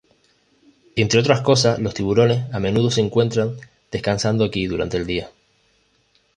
Entre otras cosas, los tiburones a menudo se encuentran descansando aquí durante el día.